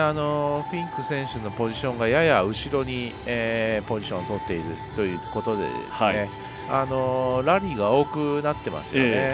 フィンク選手のポジションがやや後ろにポジションとっているということでラリーが多くなっていますよね。